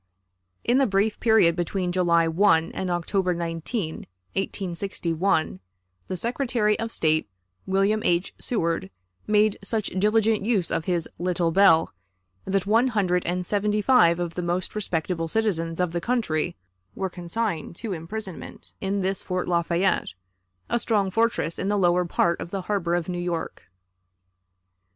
In the brief period between July 1 and October 19, 1861, the Secretary of State, William H, Seward, made such diligent use of his "little bell," that one hundred and seventy five of the most respectable citizens of the country were consigned to imprisonment in this Fort Lafayette, a strong fortress in the lower part of the harbor of New York.